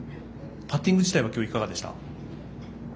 パッティング自体は今日いかがでしたか？